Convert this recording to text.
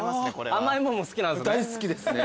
甘いもんも好きなんですね。